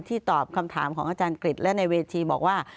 ตอบคำถามของอาจารย์กริจและในเวทีบอกว่า